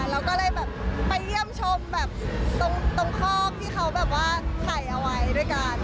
เราก็เลยแบบไปเยี่ยมชมแบบตรงคอกที่เขาแบบว่าถ่ายเอาไว้ด้วยกัน